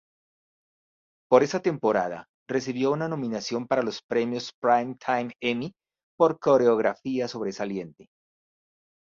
Por esa temporada, recibió una nominación para los Premios Primetime Emmy por coreografía sobresaliente.